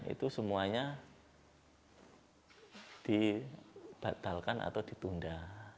itu semuanya dibatalkan atau ditunda